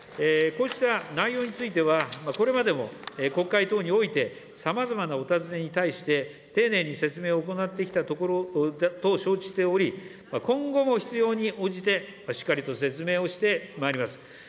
こうした内容については、これまでも国会等において、さまざまなお尋ねに対して、丁寧に説明を行ってきたところと承知をしており、今後も必要に応じて、しっかりと説明をしてまいります。